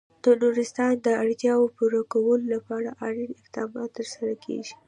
د نورستان د اړتیاوو پوره کولو لپاره اړین اقدامات ترسره کېږي.